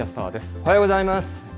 おはようございます。